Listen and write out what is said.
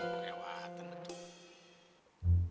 wah kelewatan betul